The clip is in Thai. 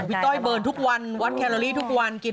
พี่สามารถทวยเบินทุกวันวัดแครโลลี่ทุกวันกิน